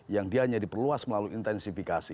yang dia hanya diperluas melalui intensifikasi